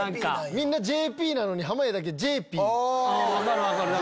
みんなＪＰなのに濱家だけジェイピー。